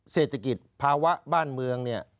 เศรษฐกิจภาวะบ้านเมือง